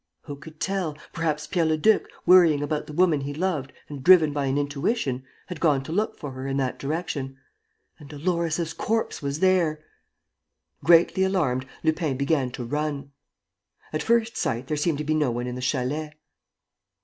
Who could tell? Perhaps Pierre Leduc, worrying about the woman he loved and driven by an intuition, had gone to look for her in that direction. And Dolores' corpse was there! Greatly alarmed, Lupin began to run. At first sight, there seemed to be no one in the chalet.